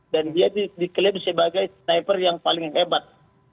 dan dia diklaim sebagai sniper yang paling hebat